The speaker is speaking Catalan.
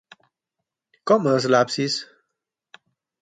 Com és l'absis?